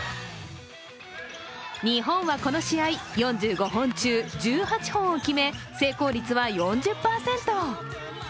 日本はこの試合、４５本中１８本を決め成功率は４０％。